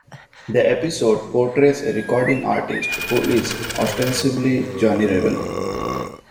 The episode portrays a recording artist who is ostensibly Johnny Rebel.